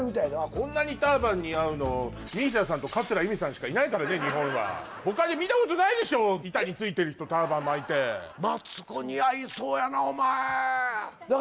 こんなにターバン似合うのＭＩＳＩＡさんと桂由美さんしかいないからね日本はほかで見たことないでしょ板についてる人ターバン巻いてらしいねん